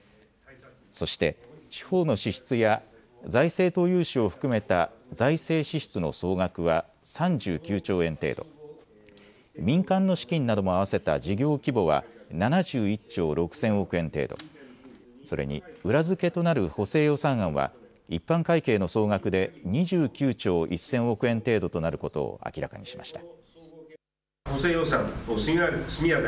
そして地方の支出や財政投融資を含めた財政支出の総額は３９兆円程度、民間の資金なども合わせた事業規模は７１兆６０００億円程度、それに裏付けとなる補正予算案は一般会計の総額で２９兆１０００億円程度となることを明らかにしました。